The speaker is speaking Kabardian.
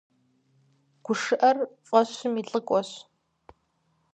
ГушыӀэр фӀэщым и лӀыкӀуэщ.